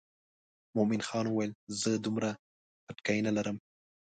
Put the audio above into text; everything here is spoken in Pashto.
مومن خان وویل زه دومره بتکۍ نه لرم.